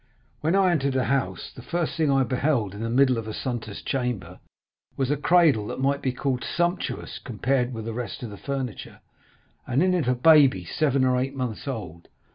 When I entered the house, the first thing I beheld in the middle of Assunta's chamber was a cradle that might be called sumptuous compared with the rest of the furniture, and in it a baby seven or eight months old.